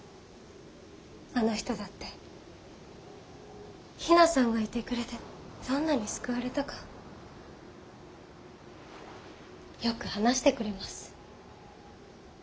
あの人だって比奈さんがいてくれてどんなに救われたかよく話してくれます。